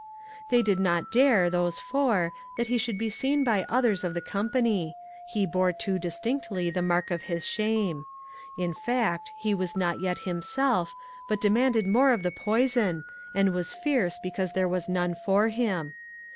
They did not dare, those four, that he should be seen by others of the company ; he bore too distinctly the mark of his shame. In fact, he was not yet himself, but demanded more of the poison, and was fierce 146 ONE COMMONPLACE DAY. because there was none for him.